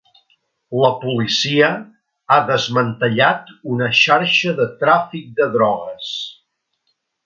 La policia ha desmantellat una xarxa de tràfic de drogues.